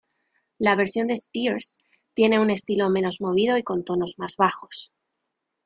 La versión de Spears tiene un estilo menos movido y con tonos más bajos.